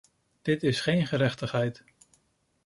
Dit is geen gerechtigheid.